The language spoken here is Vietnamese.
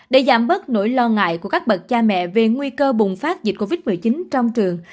để giảm bớt nỗi lo ngại của các bậc cha mẹ về nguy cơ bùng phát dịch covid một mươi chín trong trường